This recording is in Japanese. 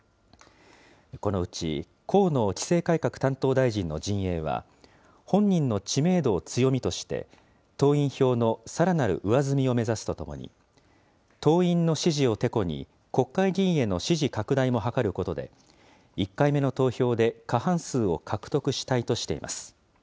このうち河野規制改革担当大臣の陣営は、本人の知名度を強みとして、党員票のさらなる上積みを目指すとともに、党員の支持をてこに、国会議員への支持拡大を図ることで、１回目の投票で過半数を獲得したいとしています。